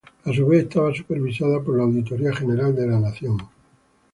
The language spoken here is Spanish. A su vez, estaba supervisada por la Auditoría General de la Nación.